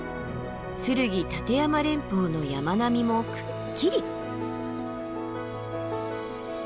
剱・立山連峰の山並みもくっきり。